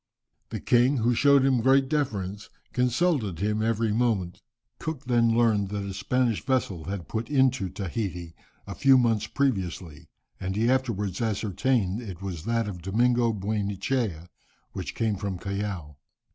The king, who showed him great deference, consulted him every moment. Cook then learned that a Spanish vessel had put into Tahiti a few months previously, and he afterwards ascertained that it was that of Domingo Buenechea, which came from Callao.